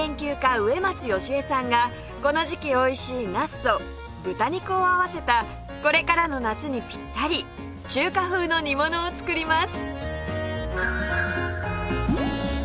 植松良枝さんがこの時期おいしいなすと豚肉を合わせたこれからの夏にピッタリ中華風の煮ものを作ります！